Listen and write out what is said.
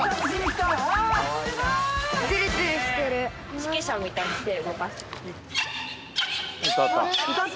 指揮者みたいに手を動かして。